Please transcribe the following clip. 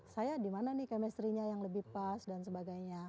saya di mana nih chemistry nya yang lebih pas dan sebagainya